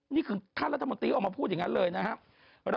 นี่คือท่านรัฐมนตรีออกมาพูดอย่างนั้นเลยนะครับ